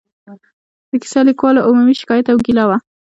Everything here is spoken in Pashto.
د کیسه لیکوالو عمومي شکایت او ګیله وه.